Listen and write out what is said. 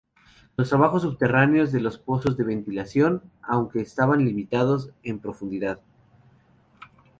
Los trabajos subterráneos de los pozos de ventilación, aunque estaban limitados en profundidad.